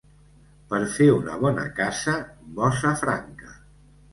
Per fer una bona casa, bossa franca.